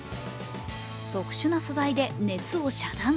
特殊な素材で熱を遮断。